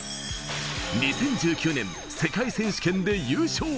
２０１９年、世界選手権で優勝。